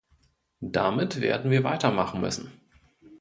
Damit werden wir weitermachen müssen.